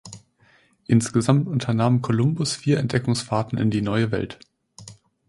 Insgesamt unternahm Kolumbus vier Entdeckungsfahrten in die Neue Welt.